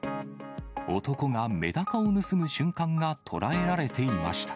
男がメダカを盗む瞬間が捉えられていました。